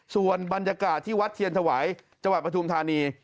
ส่วนบรรยากาศที่วัดเทียนถวายจังหวัดปฐุมธานี